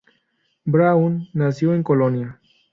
Braun nació en Colonia.